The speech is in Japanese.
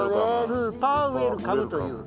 スーパーウェルカムという。